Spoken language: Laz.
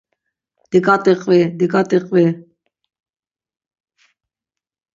Diǩati qvi, diǩati qvi.